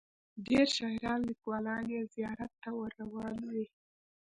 ډیر شاعران لیکوالان یې زیارت ته ور روان وي.